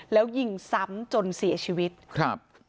แล้วยิงซ้ำจนเสียชีวิตครับ